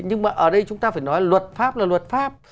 nhưng mà ở đây chúng ta phải nói luật pháp là luật pháp